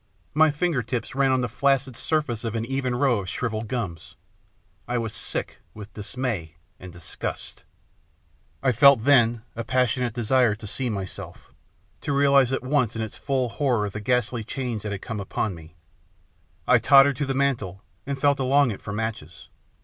My finger tips ran on the flaccid surface of an even row of shrivelled gums. I was sick with dismay and disgust. STORY OF THE LATE MR. ELVESHAM 63 I felt then a passionate desire to see myself, to realise at once in its full horror the ghastly change that had come upon me. I tottered to the mantel, and felt along it for matches.